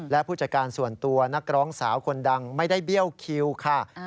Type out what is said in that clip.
และผู้จัดการส่วนตัวนักร้องสาวคนดังไม่ได้เบี้ยวคิวค่ะ